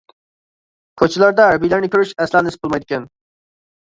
كوچىلاردا ھەربىيلەرنى كۆرۈش ئەسلا نېسىپ بولمايدىكەن.